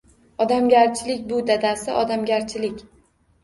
Odamgarchilik bu dadasi, odamgarchilik